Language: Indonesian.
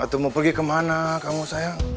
atau mau pergi kemana kamu sayang